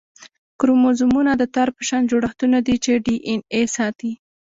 کروموزومونه د تار په شان جوړښتونه دي چې ډي این اې ساتي